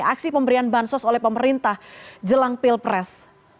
aksi pemberian bansos oleh pemerintah jelang pilpres